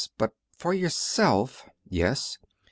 But for yourself "" Yes."